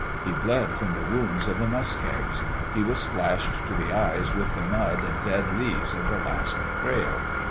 He bled from the wounds of the muskegs : he was splashed to the eyes with the mud and dead leaves of the last trail.